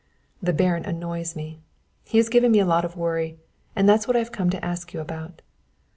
"The Baron annoys me. He has given me a lot of worry. And that's what I have come to ask you about."